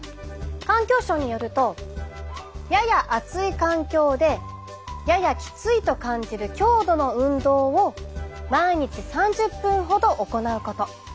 環境省によると「やや暑い」環境で「ややきつい」と感じる強度の運動を「毎日３０分ほど」行うこと。